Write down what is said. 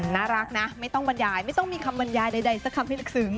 น่ารักนะไม่ต้องบรรยายไม่ต้องมีคำบรรยายใดสักคำให้ลึกซึ้ง